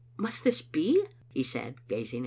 " Must this be?" he said, gazing at me.